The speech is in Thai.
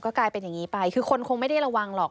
กลายเป็นอย่างนี้ไปคือคนคงไม่ได้ระวังหรอก